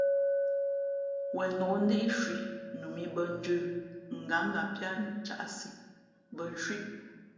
Wenǒk ndíꞌcwī nu mǐ bᾱ njə̄, ngǎnga píá caꞌsi bᾱ ncwíʼ.